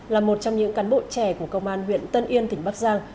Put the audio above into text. là một trong những cán bộ trẻ của công an huyện tân yên tỉnh bắc giang